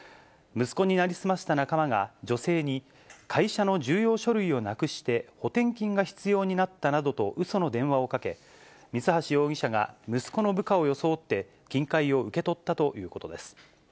息子に成り済ました仲間が、女性に、会社の重要書類をなくして、補填金が必要になったなどとうその電話をかけ、三橋容疑者が息子の部下を装って、金塊を受け取ったということです。